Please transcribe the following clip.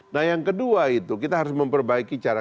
nah yang kedua itu kita harus memperbaiki cita cita